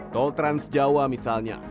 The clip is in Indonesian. tol trans jawa misalnya